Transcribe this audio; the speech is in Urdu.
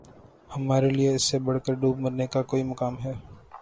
ہمارے لیے اس سے بڑھ کر دوب مرنے کا کوئی مقام ہے